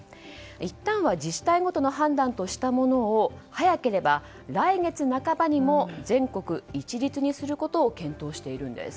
いったんは自治体ごとの判断としたものを早ければ来月半ばにも全国一律にすることを検討しているんです。